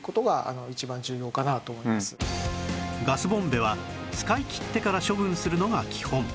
ガスボンベは使いきってから処分するのが基本